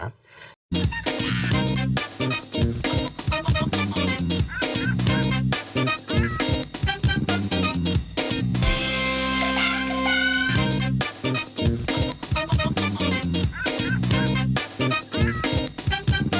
โปรดติดตามัน